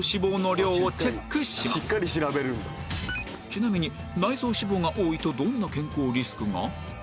ちなみに内臓脂肪が多いとどんな健康リスクが？